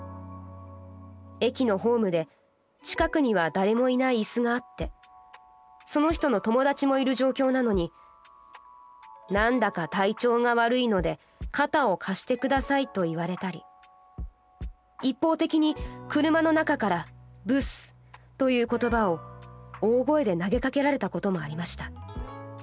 駅のホームで近くには誰もいない椅子があってその人の友達もいる状況なのに『なんだか体調が悪いので肩を貸してください』と言われたり一方的に車の中から『ブス』という言葉を大声で投げ掛けられたこともありました。